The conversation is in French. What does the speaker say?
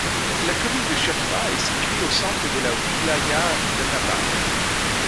La commune de Cheurfa est située au centre de la wilaya d'Annaba.